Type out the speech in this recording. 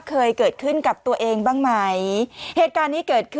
เคยเกิดขึ้นกับตัวเองบ้างไหมเหตุการณ์นี้เกิดขึ้น